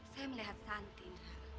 saya melihat santi ndra